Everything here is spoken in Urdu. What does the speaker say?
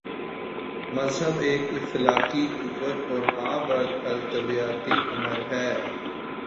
مذہب ایک اخلاقی قوت اور مابعد الطبیعیاتی امر ہے۔